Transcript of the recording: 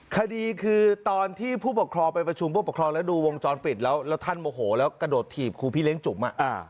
คดีคือตอนที่ผู้ปกครองไปประชุมผู้ปกครองแล้วดูวงจรปิดแล้วแล้วท่านโมโหแล้วกระโดดถีบครูพี่เลี้ยจุ๋ม